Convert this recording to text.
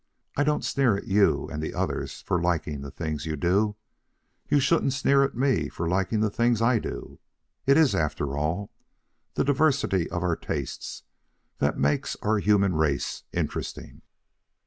I don't sneer at you and the others for liking the things you do. You shouldn't sneer at me for liking the things I do. It is, after all, the diversity of our tastes that makes our human race interesting."